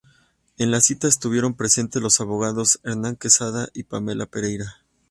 En la cita estuvieron presentes los abogados Hernán Quezada y Pamela Pereira.